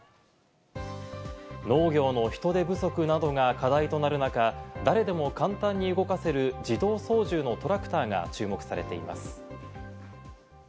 農業の人手不足などが課題となる中、誰でも簡単に動かせる自動操縦のトラクターが注目されています。